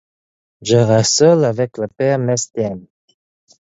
Je reste seul avec le père Mestienne.